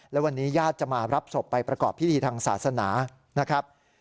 และวันนี้ญาติจะมารับศพไปประกอบพิธีทางศาสนานะครับ